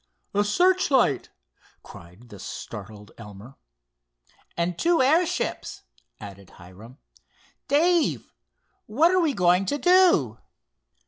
"A searchlight!" cried the startled Elmer. "And two airships," added Hiram. "Dave, what are we going to do?"